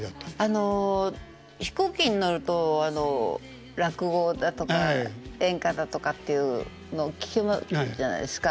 あの飛行機に乗ると落語だとか演歌だとかっていうの聴くじゃないですか。